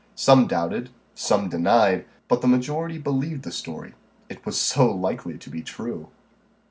Some doubted, some denied, but the majority believed the story it was so likely to be true.